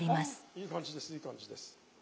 いい感じですいい感じです。